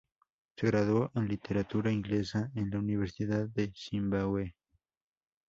Se graduó en Literatura Inglesa en la Universidad de Zimbabue.